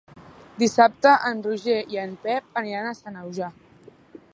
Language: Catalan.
Dissabte en Roger i en Pep aniran a Sanaüja.